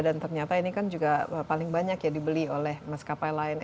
ternyata ini kan juga paling banyak ya dibeli oleh maskapai lain